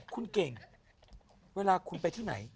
คุณเก่งเวลาคุณไปที่ไหน